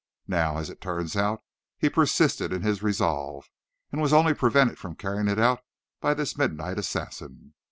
Now, as it turns out, he persisted in his resolve, and was only prevented from carrying it out by this midnight assassin.